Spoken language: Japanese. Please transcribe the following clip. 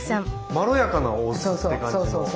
まろやかなお酢って感じの印象ですね。